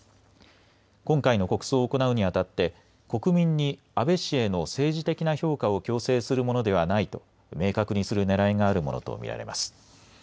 今回の国葬を行うにあたって国民に安倍氏への政治的な評価を強制するものではないと明確にするねらいがあるものと見られます。